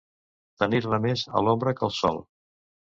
Tenir-ne més a l'ombra que al sol.